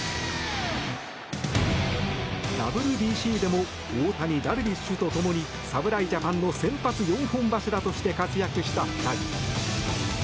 ＷＢＣでも大谷、ダルビッシュと共に侍ジャパンの先発４本柱として活躍した２人。